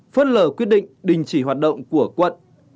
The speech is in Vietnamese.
phớt lờ quyết định đình chỉ hoạt động của quận